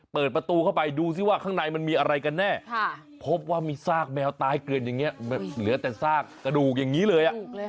เปิดประตูเข้าไปดูซิว่าข้างในมันมีอะไรกันแน่พบว่ามีซากแมวตายเกลือนอย่างนี้เหลือแต่ซากกระดูกอย่างนี้เลย